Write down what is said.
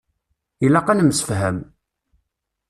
Ilaq ad nemsefham.